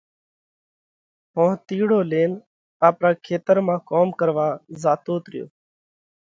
ۿونتِيڙو لينَ آپرا کيتر مانه ڪوم ڪروا زاتوت ريو۔